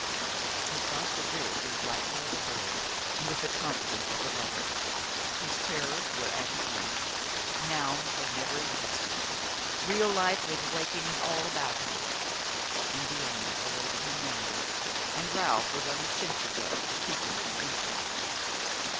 He crossed the bridge as lightly as a bird, and with the confidence of a lover. His terrors were at an end; Noun had never existed; real life was awakening all about him; Indiana awaited him yonder; and Ralph was on sentry go to keep him from entering.